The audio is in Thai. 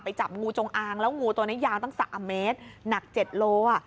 ไปจับงูจงอางแล้วงูตัวนั้นยาวตั้งสามเมตรหนักเจ็ดโล่อ่ะ